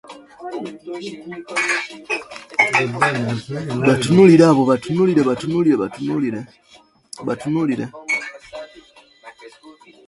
Edward lovingly assures her they will remain the way they have been.